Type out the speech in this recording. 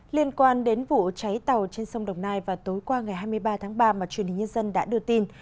liên quan đến vụ cháy tàu trên sông đồng nai vào tối qua ngày hai mươi ba tháng ba mà truyền hình nhân dân đã đưa tin